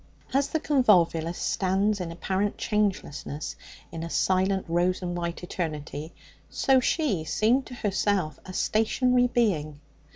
As the convolvulus stands in apparent changelessness in a silent rose and white eternity, so she seemed to herself a stationary being.